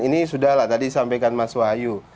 ini sudah lah tadi sampaikan mas wahyu